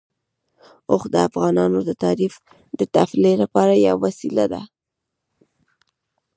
اوښ د افغانانو د تفریح لپاره یوه وسیله ده.